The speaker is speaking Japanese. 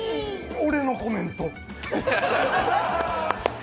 俺のコメント。